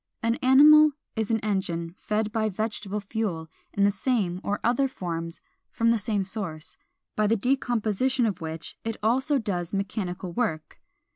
An animal is an engine fed by vegetable fuel in the same or other forms, from the same source, by the decomposition of which it also does mechanical work.